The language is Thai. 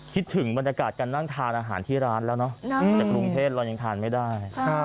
คิดถึงบรรยากาศการนั่งทานอาหารที่ร้านแล้วเนอะจากกรุงเทพเรายังทานไม่ได้